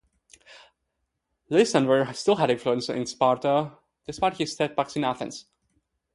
Lysander still had influence in Sparta despite his setbacks in Athens.